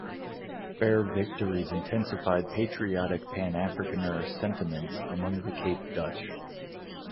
Boer victories intensified patriotic pan-Afrikaner sentiments among the Cape Dutch.